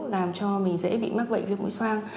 làm cho mình dễ bị mắc bệnh viêm mũi soang